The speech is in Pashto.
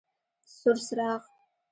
سور څراغ: